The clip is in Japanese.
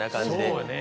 そうね。